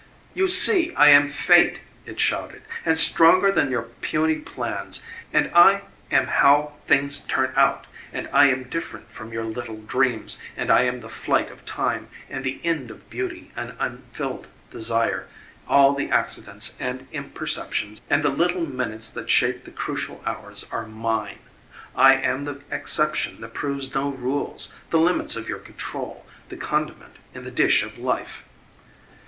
"You see, I am fate," it shouted, "and stronger than your puny plans; and I am how things turn out and I am different from your little dreams, and I am the flight of time and the end of beauty and unfulfilled desire; all the accidents and imperceptions and the little minutes that shape the crucial hours are mine. I am the exception that proves no rules, the limits of your control, the condiment in the dish of life."